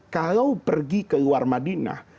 kalau pergi ke luar madinah